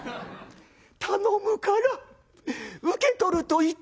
頼むから受け取ると言ってくれ」。